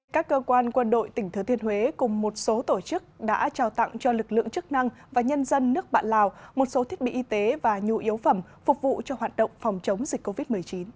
các cơ quan quân đội tỉnh thừa thiên huế cùng một số tổ chức đã trao tặng cho lực lượng chức năng và nhân dân nước bạn lào một số thiết bị y tế và nhu yếu phẩm phục vụ cho hoạt động phòng chống dịch covid một mươi chín